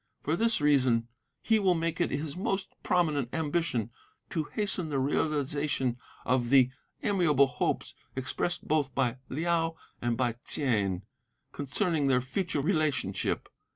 For this reason he will make it his most prominent ambition to hasten the realization of the amiable hopes expressed both by Liao and by Ts'ain, concerning their future relationship.